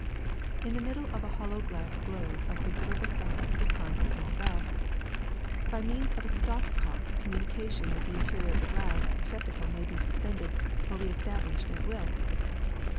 In the middle of a hollow glass globe of consider able size is hung a small bell. By means of a stop cock communication with the interior of the glass re ceptacle may be suspended or reestablished at will.